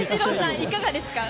いかがですか。